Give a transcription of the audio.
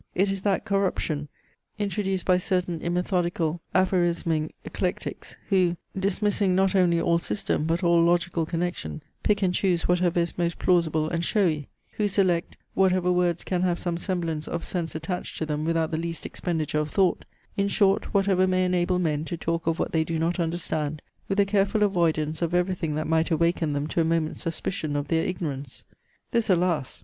It is that corruption, introduced by certain immethodical aphorisming eclectics, who, dismissing not only all system, but all logical connection, pick and choose whatever is most plausible and showy; who select, whatever words can have some semblance of sense attached to them without the least expenditure of thought; in short whatever may enable men to talk of what they do not understand, with a careful avoidance of every thing that might awaken them to a moment's suspicion of their ignorance. This alas!